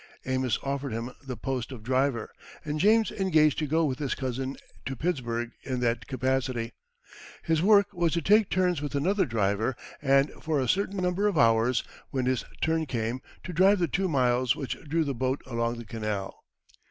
Amos offered him the post of driver, and James engaged to go with his cousin to Pittsburg in that capacity. His work was to take turns with another driver, and, for a certain number of hours, when his turn came, to drive the two mules which drew the boat along the canal.